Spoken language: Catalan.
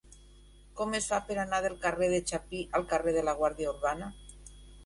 Com es fa per anar del carrer de Chapí al carrer de la Guàrdia Urbana?